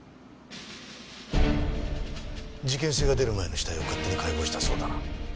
事件性が出る前の死体を勝手に解剖したそうだな。